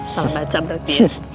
salah baca berarti ya